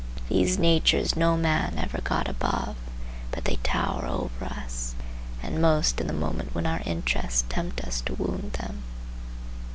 These natures no man ever got above, but they tower over us, and most in the moment when our interests tempt us to wound them.